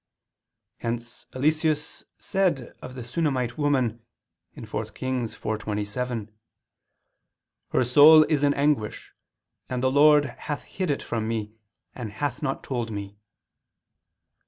Hence Eliseus said of the Sunamite woman (4 Kings 4:27): "Her soul is in anguish, and the Lord hath hid it from me, and hath not told me."